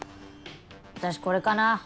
私これかな。